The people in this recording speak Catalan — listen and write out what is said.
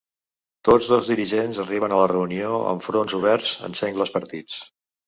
Tots dos dirigents arriben a la reunió amb fronts oberts en sengles partits.